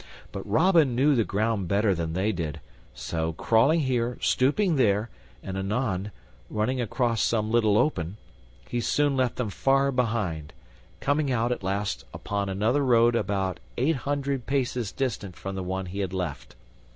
But Robin knew the ground better than they did, so crawling here, stooping there, and, anon, running across some little open, he soon left them far behind, coming out, at last, upon another road about eight hundred paces distant from the one he had left.